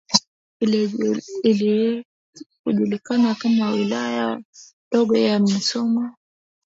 likijulikana kama Wilaya Ndogo ya Musoma